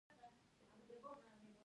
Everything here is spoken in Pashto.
آیا طبي زده کړې معیاري دي؟